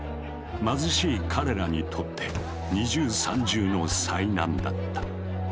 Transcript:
貧しい彼らにとって二重三重の災難だった。